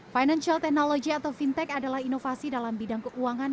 financial technology atau fintech adalah inovasi dalam bidang keuangan